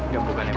ya bukan emang